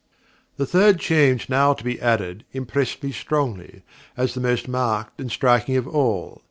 The third change now to be added, impressed me strongly, as the most marked and striking of all.